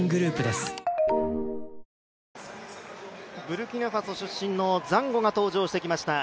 ブルキナファソ出身のザンゴが登場してきました。